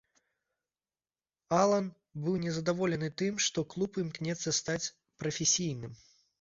Алан быў не задаволены тым, што клуб імкнецца стаць прафесійным.